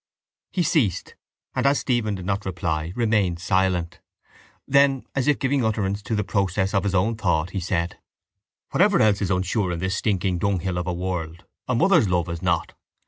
He ceased and, as Stephen did not reply, remained silent. Then, as if giving utterance to the process of his own thought, he said: —Whatever else is unsure in this stinking dunghill of a world a mother's love is not.